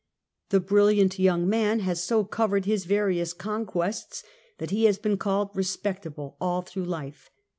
The brilliant young man has so covered his various conquests that he has been called respectable all through life.